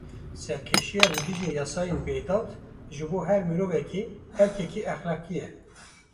Serkêşiya li dijî yasayên bêdad, ji bo her mirovî erkekî exlaqî ye.